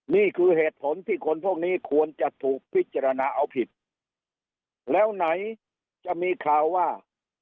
นี่คือเหตุผลที่คนพวกนี้ควรจะถูกพิจารณาเอาผิดแล้วไหนจะมีข่าวว่า